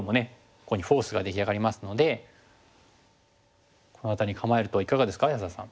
ここにフォースが出来上がりますのでこの辺りに構えるといかがですか安田さん。